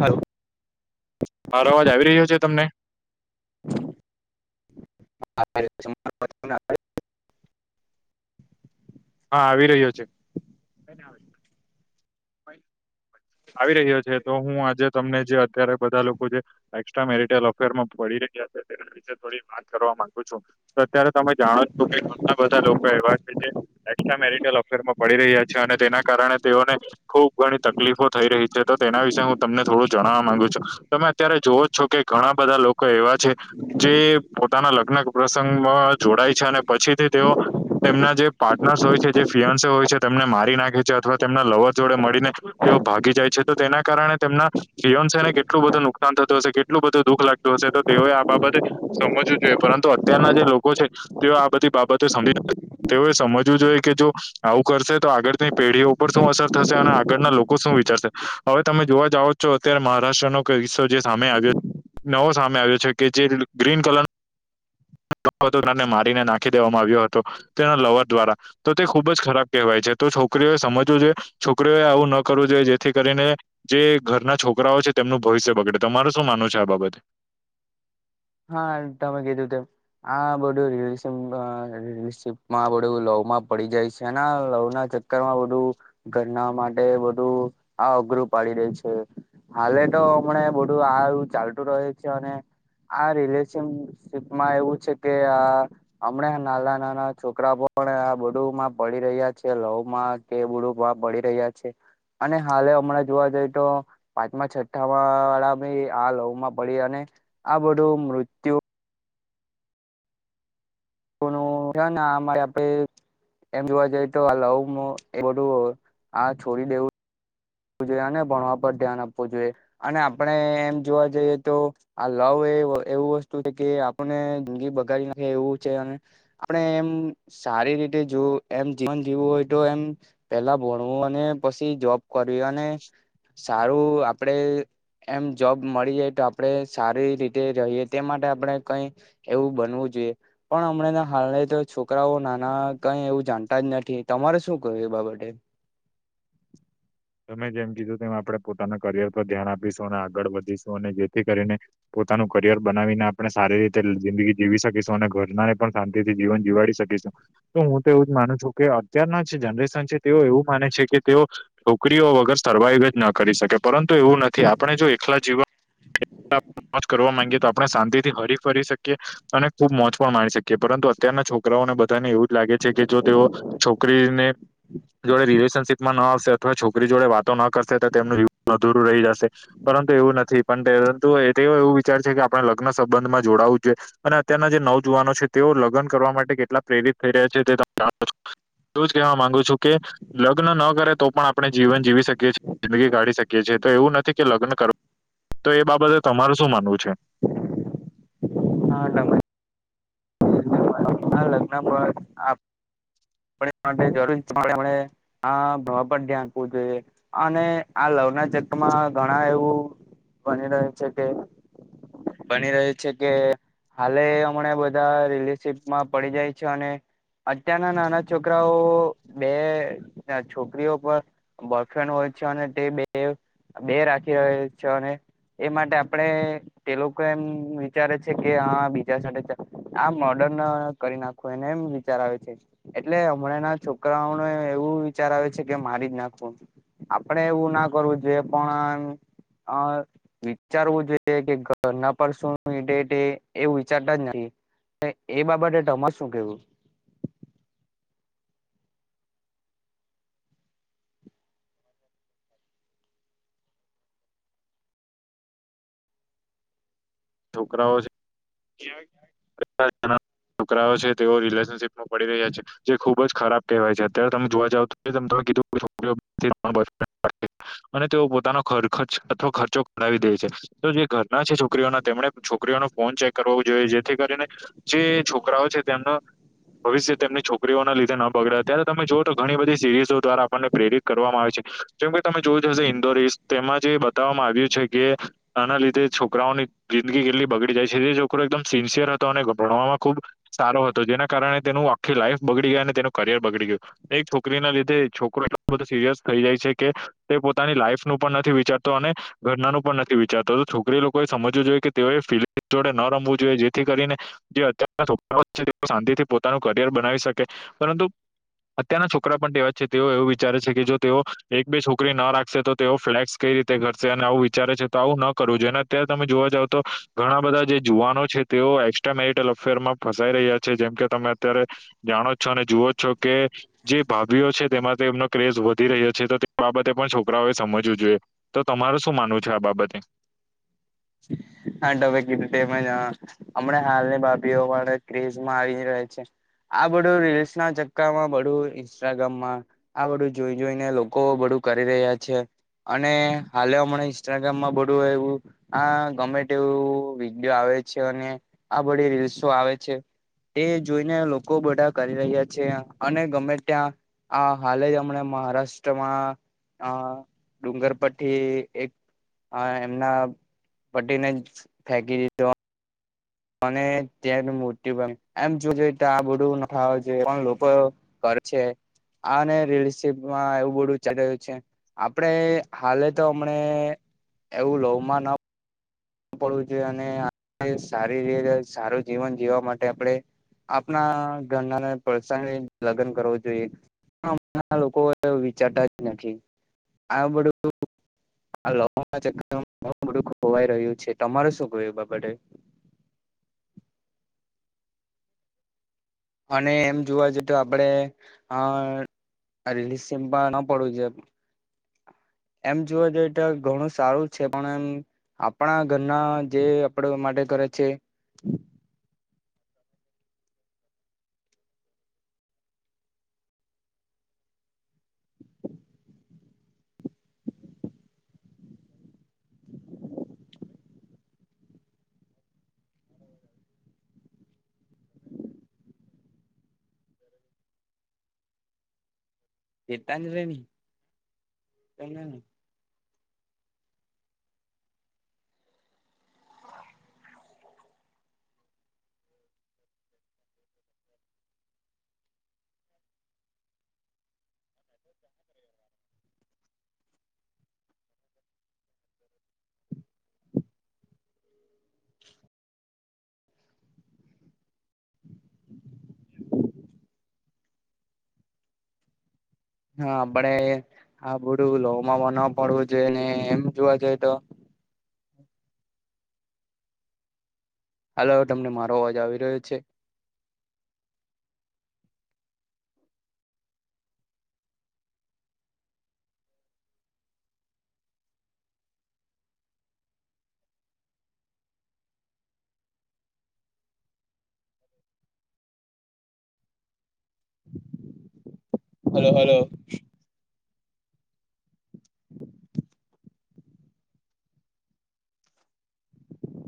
હારુ મારો અવાજ આવી રહ્યો છે તમને- હ [inaudible] ના [unintelligible] હા આવી રહ્યો છે. [unintelligible] આવી રહ્યો છે તો હું આજે તમને જે અત્યારે બધા લોકો જે એસ્ટ્રા મેરટલ અફેરમાં પડી રહ્યા છે. તેના વિશે થો વાત કરવા માંગુ છું અત્યારે તમે જાણો છો કે ઘણા બધા લોકો એવા છે. એસ્ટ્રા મેરિટલ અફેરમાં પડી રહ્યા છે અને તેના કારણે તેઓને ખુબ ઘણી તકલીફો થઈ રહી છે તો તેના વિશે હું તમને થોડું જણવા માંગુ છું તમે અત્યારે જોવો જ છો કે ઘણા બધા લોકો એવા છે. જે પોતાના લગ્ન પ્રસંગમાં જોડાય છે. અને પછીથી તેઓ તેમના જે પાર્ટનર્સ હોય છે જે ફિઅન્સે હોય છે તેમને મારી નાખે છે અથવા તેમના લવર્ જોડે મળીને તેઓ ભાગી જાય છે. તો તેના કારણે તેમના શનશ ને કેટલું બધું નુકસાન થતું હશે કેટલું બધું દુઃખ લાગતું હશે તો તેઓએ આ બાબતે સમજવું જોઈએ પરંતુ અત્યારના જે લોકો છે તેઓ આ બધી બાબતો સમજી નથી તેઓએ સમજવું જોઈએ કે જો આવું કરશે તો આગળની પેઢીઓ ઉપર શું અસર થશે અને આગળના લો કો શું વિચારશે હવે તમે જોવા જાાવઓ છો અત્યારે મહારાષ્ટ્રનો કિસ્સો જે સામે આવ્યો. નવો સામે આવ્યો છે કે જે ગ્રીન કલર ને મારીને નાખી દેવામાં આવ્યો હતો તેના લવર દ્વારા તો તે ખુબ જ ખરાબ કહેવાય છે તો છોકરીઓએ સમજવું છે છોકરીઓ એ આવું ન કરવું જોઈએ જેથી કરીને જે ઘરના છોકરાઓ છે તેમનું ભવિષ્ય બગડે તમાર શું માનું છે આ બાબતે. હા તમે કીધું તેમ આ બધું રલશ રલશીપમાં બધું લવ માં પડી જાય છે અને લવ ના. કરવા બું ઘરના માટે બધું આ અઘરું પાડી રહી છે. હાલે તો મને બોધું આ યુ ચાલતું રહી છે અને અને આ રિલેશનશીપમાં એવું છે કે આ હમણાં નાના નાના છોકરા પણ આ બધું માં પડી રહ્યા છે લવ માં કે બુડુંકમાં પડી રહ્યા છે અને હાલે હમણાં જોવા જઈએ તો પાંચમા છઠ્ઠા વાળા ભ આ લવ માં પડી અને આ બધું મૃત્યુ કોનું હ ના અમારે આપડે. એમ જોવા જઈએ તો આ લઉ એ બધું આ છોડી દેવું. આપ જોઈએ અને ભણવા પર ધ્યાન આપવું જોઈએ અને આપણે એમ જોવા જઈએ તો આ લવ એ એવું વસ્તુ છે કે આપને જિંદગી બગાડી નાખે એવું છે અને આપણે એમ સારી રીતે જો એમ જીવન જીવું હોય તો એમ પેલા ભણવું અને પછી જોબ કર અને સારું આપડે એમ જોબ મળી જાય તો આપડણે સારી રીતે રહીએ તે માટે આપણે કઈ એવું બનવું જોઈએ પણ હમણા હાલ તો છોકરાઓ નાના કઈ એવું જાણતા જ નથી તમારે શું ક્યું એ બાબતે. તમે જેમ કીધું તેમ આપણે પોતાના કરિયર પર ધ્યાન આપીશું અને આગળ વધીશું અને જેથી કરીને પોતાનું કરિયર બનાવીને આપણે સારી રીતે જિંદગી જીવી શકીશું અને ઘરનાને પણ થી જીવન જીવાડી શકે છે. તો હું તો એવું જ માનું છું કે અત્યારના જે જનરેશન છે તેઓ એવું માને છે કે તેઓ છોકરીઓ વગર સર્વાઈવ જ ન કરી શકે પરંતુ એવું નથી આપણે જો એકલા જીવન મો કરવા માંગીએ તો આપણે શાંતિ થી હરી ફરી શકીએ. અને ખુબ મોજ પણ માણી શકીએ પરંતુ અત્યારના છોકરાઓને બધાને એવું જ લાગે છે કે જો તેઓ છોકરીને જોડે રિલેશનશીપમાં ન આવશે તો છોકરી જોડે વાતો ન કરશે તો તેમનું જીવન અધુરું રહી જશે. પરંતુ એવું નથી પણ પરંતુ તે એવું વિચાર છે કે આપણે લગ્ન સંબંધમાં જોડાવું જોઈએ. અને અત્યારના જે નવજુવાનો છે તેઓ લગ્ન કરવા માટે કેટલા પ્રેરિત થઈ રહ્યા છે તે તમે જાણો છો. એવું જ કવા માંગુ છું કે લગ્ન ન કરે તો પણ આપણે જીવન જીવી શકીએ છીએ જિંદગી કાઢી શકીએ છીએ તો એવું નથી કે લગ્ન કર તો એ બાબતે તમારે શું માનવું છે. હા. [unintelligible] પણ એ માટે જરૂરી પણ એમને. હા ભવા પર ધ્યાન આપવું જોઈએ અને આ લવના ચક્રમાં ઘણા એવું બની રહ્યું છે કે બની રહ્યું છે કે હાલે હમણાં બધા રિલેશશીપમાં પડી જાય છે અને અત્યારના નાના છોકરાઓ બે છોકરીઓ પણ બોયફ્રેન્ડ હોય છે અને તે બે બે રાખી રહ્યો છે અને એ માટે આપડે તે લોકો એમ વિચારે છે કે હા બીજા સાથે આ મોર્ડર્ન કરી નાખો એને એમ વિચાર આવે છે એટલે હમણાં ના છોકરાઓને એવું વિચાર આવે છે કે મારી જ નાખવું. આપડે એવું ના કરવું જોઈએ પણ અ વિચારવું જોઈએ કે ઘરના પર શું ડેટ એવું વિચારતા જ નથી એ બાબતે તમાર શું કેવું? છોકરાઓ છે. છોકરાઓ છે તેઓ રિલેશનશીપમાં પડી રહ્યા છે. જે ખુબ જ ખરાબ કહેવાય છે અત્યારે તમે જોવા જાવ તો તમે કીધું છોકરી [unintelligible] અને તેઓ પોતાનો ખર્ચ અથવા ખર્ચો કરાવી દે છે તો જે ઘરના છે છોકરીઓના તેમણે છોકરીઓનો ફોન ચેક કરવો જોઈએ જેથી કરીને જે છોકરાઓ છે તેમનો ભવિષ્ય તેમની છોકરીઓના લીધે ન બગડે ત્યારે તમે જોઓ તો ઘણી બધી સિરીઝો દ્વારા આપણને પ્રેરિત કરવામાં આવે છે જેમ કે તમે જોવું જ હશે ઇન્દોર એસ તેમાં જે બતાવવામાં આવ્યું છે કે આના લીધે છોકરાઓની જિંદગી કેટલી બગડી જાય છે તે છોકરો એકદમ સિન્સિયર હતો અને ભણવામાં ખુબ સારો હતો જેના કારણે તેનું આખી લાઈફ બગડી ગઈ અને તેનું કરિયર બગડી ગયું એક છોકરીના લીધે છોકરો એટલો બધો સિરિયસ થઈ જાય છે કે તે પોતાની લાઈફ નું પણ નથી વિચારતો અને ઘરનાનું પણ નથી વિચારતો તો છોકરી લોકોએ સમજવું જોઈએ કે તેઓએ ફીલીગ જોડે ન રમવું જોઈએ જેથી કરીને જે અત્યારના છોકરાઓ છે તે શાંતિથી પોતાનું કરિયર બનાવી શકે પરંતુ અત્યારના છોકરા પણ તેવા છે તેઓ એવું વિચારે છે કે જો તેઓ એક બે છોકરી ન રાખશે તો તેઓ ફ્લેક્સ કઈ રીતે ઘશે અને આવું વિચારે છે તો આવું ન કરવું જોઈએને અત્યારે તમે જોવા જાવ તો ઘણા બધા જે જુવાનો છે તેઓ એકક્સ્ટ્રા મેરિટલ અફેરમાં ફસાઈ રહ્યા છે છે જેમ કે તમે અત્યારે જાણો છો અને જુઓ છો કે જે ભાભીઓ છે તેમાં તેમનો ક્રેઝ વધી રહ્યો છે તો તે બાબતે પણ છોકરાઓએ સમજવું જોઈએ તો તમારું શું માનવું છે આ બાબતે હા તમે કીધું તેમજ હમણાં હાલની ભાભીઓ વાળા ક્રેઝમાં આવી રહે છે આ બધું રીલ્સ ના ચક્કામાં બધું ઇન્સ્ટાગ્રામમાં આ બધું જોઈ જોઈને લોકો બધું કરી રહ્યા છે અને હાલે હમને ઇન્સ્ટાગ્રામમાં બડું હોય એવું આ ગમે તે એવું વિડીયો આવે છે અને આ બધી રીલ્સો આવે છે એ જોઈને લોકો બધા કરી રહ્યા છે અને ગમે ત્યાં હ હાલે જ હમણા મહારાષ્ટ્રમાં અ ડુંગર થી એક અ એમના પતીને જ ફેકી દીધો અને ત્યાં મોત્યુ પામ એમ જો જોઈ તો આ બધું જો લોકો કર છે આ રિલેશનશીપમાં એવું બધું ચાલયું છે આપડે હાલે તો હમને એવું લોવમાં ન પડવું જોઈએ અને સારી રીતે સારું જીવન જીવવા માટે આપણે આપણા ઘરનાને પર્સનલી લગન કરવું જોઈએ. હમણાં લોકો એવું વિચારતા જ નથી. આ બધું આ લ [unintelligible] ચક્રમાં બ બડું ખોવાઈ રહ્યું છે. તમારે શું કેવું એ બાબતે અને એમ જોવા જ તો આપડે અ રિલીયસમ ના પડું છે એમ જોવા જઈએ તો ઘણું સારું છે પણ એમ આપણા ઘરના જે આપણા માટે કરે છે. ચતાજ ન [unintelligible] [inaudible] [inaudible] હા આપડે આ બધું લોહમાં ન પડવું જોઈએ ને એમ જોવા જઈએ તો હાલો તમને મારો અવાજ આવી રહ્યો છે? Hello hello.